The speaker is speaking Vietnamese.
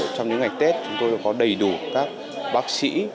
trong những ngày tết chúng tôi đã có đầy đủ các bác sĩ